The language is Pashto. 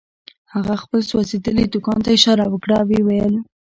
هغه خپل سوځېدلي دوکان ته اشاره وکړه او ويې ويل.